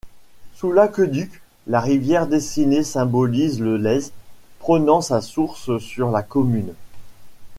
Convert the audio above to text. Sous l'aqueduc, la rivière dessinée symbolise le Lez, prenant sa source sur la commune.